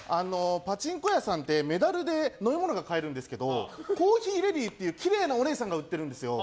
パチンコ屋さんってメダルで飲み物が買えるんですけどコーヒーレディーっていうきれいなお姉さんが売ってるんですよ。